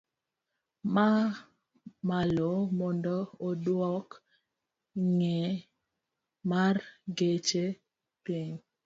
Ma malo mondo odwok ng'eny mar geche piny